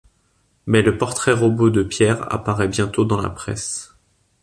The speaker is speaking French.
Mais le portrait-robot de Pierre apparaît bientôt dans la presse…